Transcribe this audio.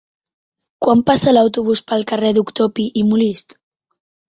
Quan passa l'autobús pel carrer Doctor Pi i Molist?